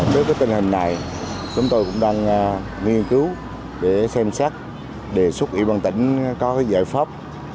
đối với tình hình này chúng tôi cũng đang nghiên cứu để xem xét đề xuất ủy ban tỉnh có giải pháp